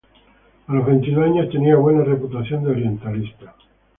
A los veintidós años tenía buena reputación de orientalista.